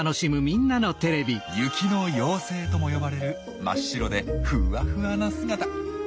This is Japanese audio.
「雪の妖精」とも呼ばれる真っ白でふわふわな姿。